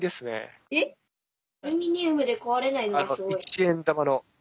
１円玉の。